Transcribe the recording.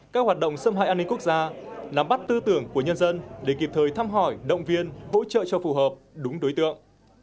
các hoạt động xâm hại an ninh quốc gia nắm bắt tư tưởng của nhân dân để kịp thời thăm hỏi động viên hỗ trợ cho phù hợp đúng đối tượng